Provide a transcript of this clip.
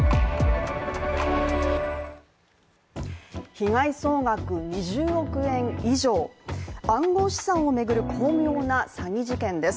被害総額２０億円以上、暗号資産をめぐる巧妙な詐欺事件です。